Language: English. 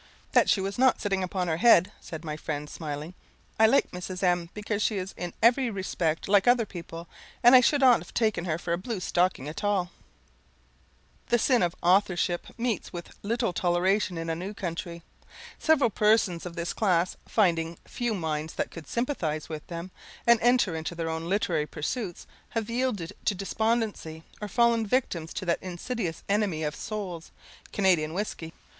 "That she was not sitting upon her head," said my friend, smiling; "I like Mrs. M , because she is in every respect like other people; and I should not have taken her for a blue stocking at all." The sin of authorship meets with little toleration in a new country. Several persons of this class, finding few minds that could sympathise with them, and enter into their literary pursuits, have yielded to despondency, or fallen victims to that insidious enemy of souls, Canadian whisky.